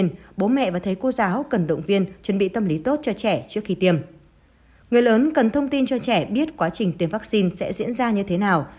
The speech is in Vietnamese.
người lớn cần thông tin cho trẻ biết quá trình tiêm vaccine sẽ diễn ra như thế nào